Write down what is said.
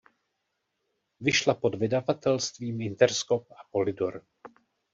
Vyšla pod vydavatelstvím Interscope a Polydor.